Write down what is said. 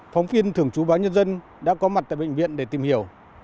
phóng viên thưởng chú báo nhân dân đã có mặt tại bệnh viện để tìm hiểu